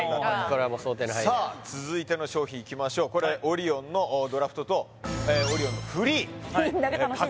これはもう想定の範囲内さあ続いての商品いきましょうこれオリオンのドラフトとオリオンのフリー×